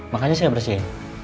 makanya saya bersih